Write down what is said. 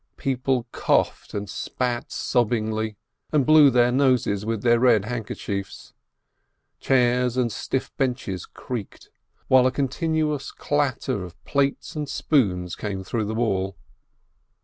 People coughed and spat sobbingly, and blew their noses with their red handkerchiefs. Chairs and stiff benches creaked, while a continual clat ter of plates and spoons came through the wall.